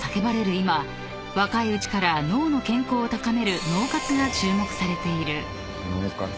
今若いうちから脳の健康を高める脳活が注目されている］